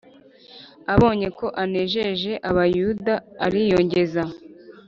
Abonye ko anejeje Abayuda ariyongeza